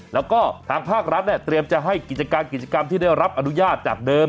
แล้วก็ทางภาครัฐเนี่ยเตรียมจะให้กิจการกิจกรรมที่ได้รับอนุญาตจากเดิม